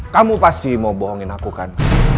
kamu pasti mau bohongin aku kan